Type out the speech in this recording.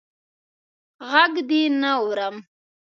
ږغ دي نه اورم.